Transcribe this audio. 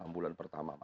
enam bulan pertama